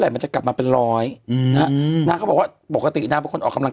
คือคือคือคือคือ